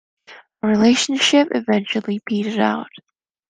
Our relationship eventually petered out.